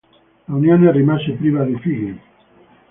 L'unione rimase priva di figli.